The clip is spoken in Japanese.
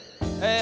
え